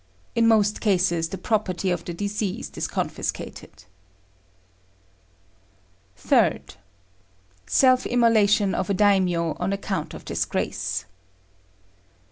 In most cases the property of the deceased is confiscated. 3rd. Self immolation of a Daimio on account of disgrace.